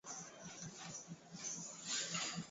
Kamati kuu ya kijeshi na mwanasheria mkuu lakini hali halisi